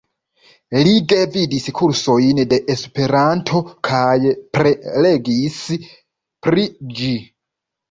Li gvidis kursojn de Esperanto kaj prelegis pri ĝi.